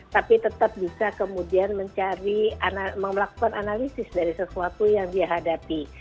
tapi tetap bisa kemudian mencari melakukan analisis dari sesuatu yang dihadapi